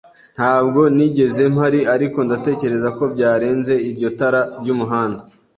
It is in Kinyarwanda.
Ntabwo nigeze mpari, ariko ndatekereza ko byarenze iryo tara ryumuhanda